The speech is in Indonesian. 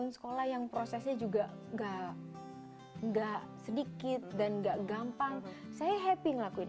sekolah yang prosesnya juga enggak enggak sedikit dan enggak gampang saya happy ngelakuin